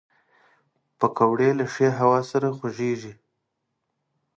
پکورې له ښې هوا سره خوږېږي